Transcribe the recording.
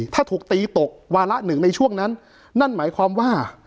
ถ้าถูกตีตกวาระหนึ่งในช่วงนั้นนั่นหมายความว่า